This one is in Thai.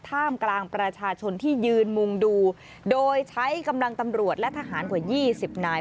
ท่ามกลางประชาชนที่ยืนมุงดูโดยใช้กำลังตำรวจและทหารกว่า๒๐นาย